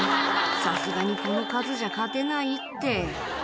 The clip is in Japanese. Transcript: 「さすがにこの数じゃ勝てないって」